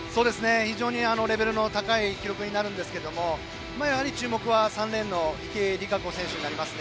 非常にレベルの高い記録になるんですけどやはり注目は３レーンの池江璃花子選手になります。